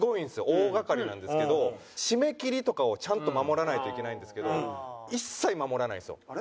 大がかりなんですけど締め切りとかをちゃんと守らないといけないんですけど一切守らないんですよ。